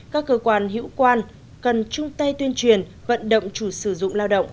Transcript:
các cơ quan hữu quan cần chung tay tuyên truyền vận động chủ sử dụng lao động